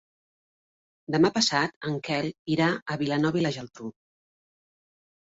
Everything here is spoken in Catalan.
Demà passat en Quel irà a Vilanova i la Geltrú.